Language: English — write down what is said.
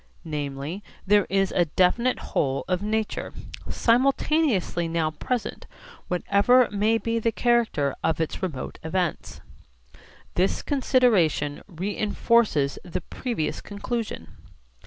Namely, there is a definite whole of nature, simultaneously now present, whatever may be the character of its remote events. This consideration reinforces the previous conclusion.